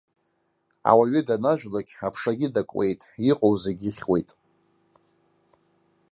Ауаҩы данажәлак аԥшагьы дакуеит, иҟоу зегьы ихьуеит.